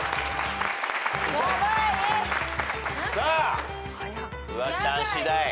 さあフワちゃんしだい。